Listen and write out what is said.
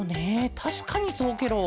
たしかにそうケロ。